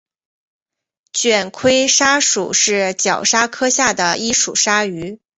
卷盔鲨属是角鲨科下的一属鲨鱼。